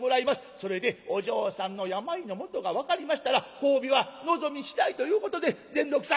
それでお嬢さんの病の元が分かりましたら褒美は望みしだいということで善六さん